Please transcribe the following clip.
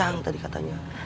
sayang tadi katanya